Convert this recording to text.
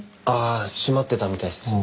ああ締まってたみたいです。